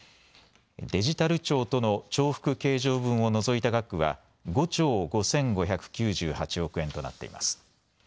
デジタル庁との重複計上分を除いた額は５兆５５９８億円となっています。